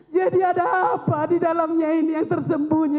jadi ada apa di dalamnya ini yang tersembunyi